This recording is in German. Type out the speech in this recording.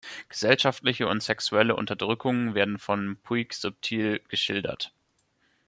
Gesellschaftliche und sexuelle Unterdrückung werden von Puig subtil geschildert.